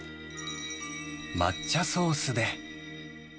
抹茶ソースで。